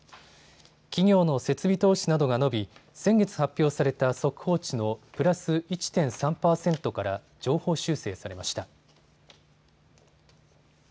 企業の設備投資などが伸び先月発表された速報値のプラス１．３％から上方修正されました。